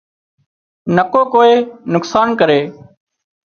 نڪو ڪوئي نقصان ڪري